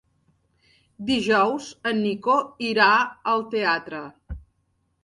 Dijous en Nico irà al teatre.